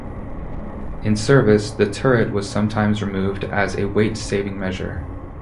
In service, the turret was sometimes removed as a weight saving measure.